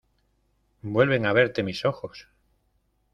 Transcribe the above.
¡ vuelven a verte mis ojos!...